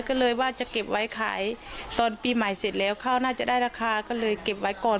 ก็เลยว่าจะเก็บไว้ขายตอนปีใหม่เสร็จแล้วข้าวน่าจะได้ราคาก็เลยเก็บไว้ก่อน